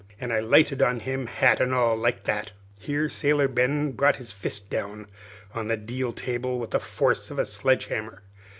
an' I lighted on him, hat and all, like that!" Here Sailor Ben brought his fist down on the deal table with the force of a sledge hammer.